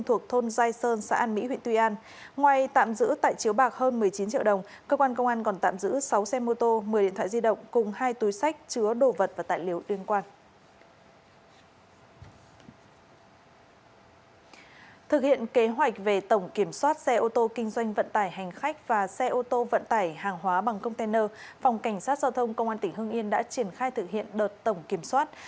phòng cảnh sát giao thông công an tỉnh hưng yên đã triển khai thực hiện đợt tổng kiểm soát